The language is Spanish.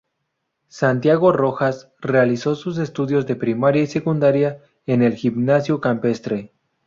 Santiago Rojas realizó sus estudios de primaria y secundaria en el Gimnasio Campestre.